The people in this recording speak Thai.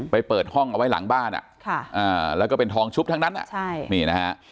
เปิดห้องเอาไว้หลังบ้านแล้วก็เป็นทองชุบทั้งนั้นนี่นะฮะ